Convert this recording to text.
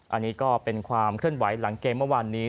อันนี้ก็เป็นความเคลื่อนไหวหลังเกมเมื่อวานนี้